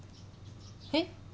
えっ？